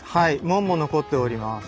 門も残っております。